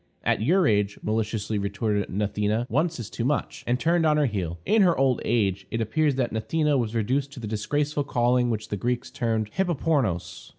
"At your age," maliciously retorted Gnathena, "once is too much," and turned on her heel. In her old age it appears that Gnathena was reduced to the disgraceful calling which the Greeks termed hippopornos.